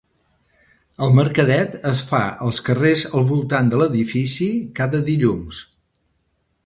El mercadet es fa als carrers al voltant de l'edifici, cada dilluns.